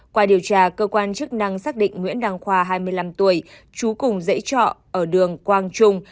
qua điều tra cơ quan chức năng xác định nguyễn đăng khoa hai mươi năm tuổi chú cùng dãy trọ ở đường quang trung